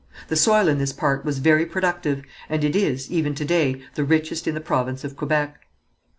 The soil in this part was very productive, and it is, even to day, the richest in the province of Quebec.